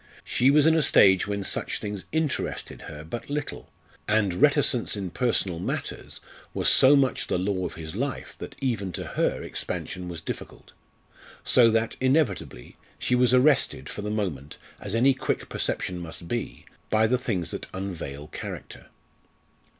She was in a stage when such things interested her but little, and reticence in personal matters was so much the law of his life that even to her expansion was difficult. So that inevitably she was arrested, for the moment, as any quick perception must be, by the things that unveil character.